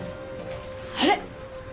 あれ！？